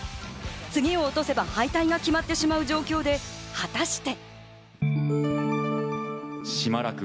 次を落とせば敗退が決まってしまう状況で果たして。